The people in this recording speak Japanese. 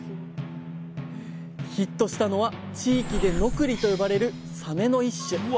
ヒットしたのは地域でノクリと呼ばれるサメの一種。